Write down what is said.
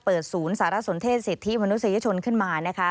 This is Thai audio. ศูนย์สารสนเทศสิทธิมนุษยชนขึ้นมานะคะ